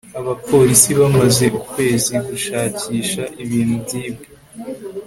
abapolisi bamaze ukwezi gushakisha ibintu byibwe